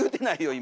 今！